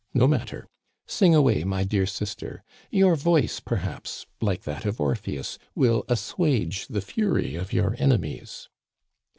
No matter. Sing away, my dear sister. Your voice, perhaps, like that of Orpheus, will assuage the fury of your enemies."